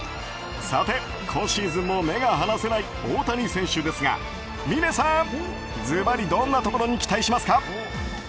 さて、今シーズンも目が離せない大谷選手ですが峰さん、ずばりどんなところに期待しますか？